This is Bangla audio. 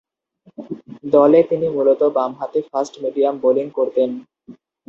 দলে তিনি মূলতঃ বামহাতি ফাস্ট-মিডিয়াম বোলিং করতেন।